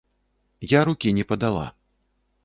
Я рукі не падала.